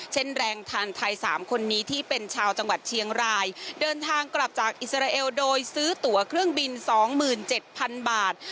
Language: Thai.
เช่นแรงทานไทย๓คนนี้ที่เป็นชาวจังหวัดเชียงรายเดินทางกลับจากอิสราเอลโดยซื้อตัวเครื่องบิน๒๗๐๐บาท